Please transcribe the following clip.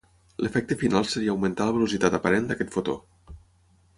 L'efecte final seria augmentar la velocitat aparent d'aquest fotó.